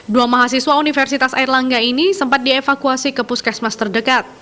dua mahasiswa universitas airlangga ini sempat dievakuasi ke puskesmas terdekat